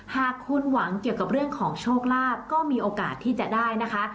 หากคุณหวังเกี่ยวกับเรื่องของโชคลาภก็มีโอกาสที่จะได้นะคะ